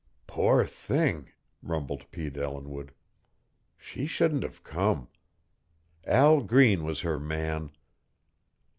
"Poor thing!" rumbled Pete Ellinwood. "She shouldn't have come. Al Green was her man."